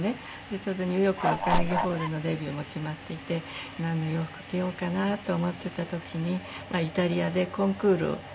ちょうどニューヨークのカーネギーホールのデビューも決まっていてなんの洋服着ようかなと思ってた時にイタリアでコンクールがあって。